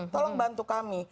tolong bantu kami